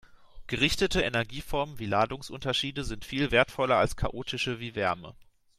Gerichtete Energieformen wie Ladungsunterschiede sind viel wertvoller als chaotische wie Wärme.